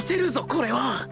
これは